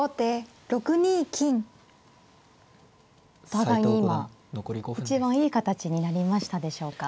お互いに今一番いい形になりましたでしょうか。